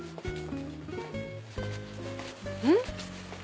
うん？